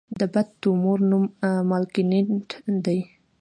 د بد تومور نوم مالېګننټ دی.